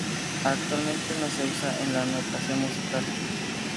Actualmente no se usa en notación musical.